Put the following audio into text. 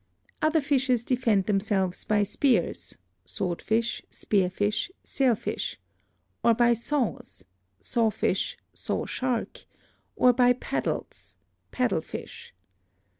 Other fishes defend themselves by spears (swordfish, spearfish, sailfish), or by saws (sawfish, sawshark), or by paddles (paddlefish).